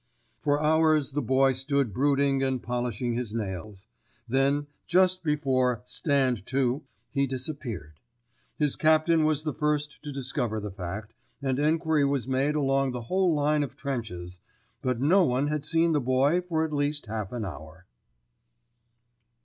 For hours the Boy stood brooding and polishing his nails. Then, just before "stand to" he disappeared. His captain was the first to discover the fact, and enquiry was made along the whole line of trenches, but no one had seen the Boy for at least half an hour.